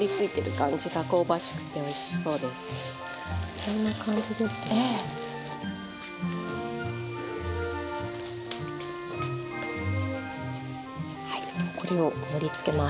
これを盛りつけます。